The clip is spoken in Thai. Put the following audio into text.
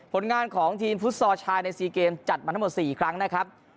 ผลงานของทีมฟุตซอลชายใน๔เกมจัดมาทั้งหมด๔ครั้งนะครับ